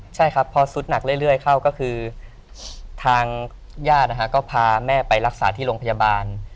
ใช่ครับพอสุดหนักเรื่อยเข้าก็คือทางญาตินะฮะก็พาแม่ไปรักษาที่โรงพยาบาล